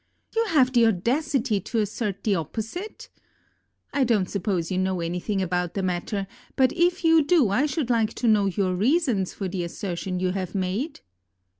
You have the audacity to assert the opposite! I don't suppose you know anything about the matter; but if you do, I should like to know your reasons for the assertion you have made."